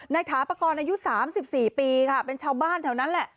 ถาปกรณ์อายุ๓๔ปีค่ะเป็นชาวบ้านแถวนั้นแหละ